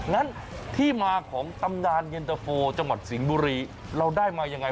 งั้นที่มาของตำนานเย็นตะโฟจังหวัดสิงห์บุรีเราได้มายังไง